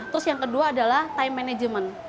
terus yang kedua adalah time management